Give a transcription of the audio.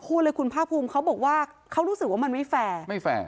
พูดเลยคุณภาคภูมิเขาบอกว่าเขารู้สึกว่ามันไม่แฟร์ไม่แฟร์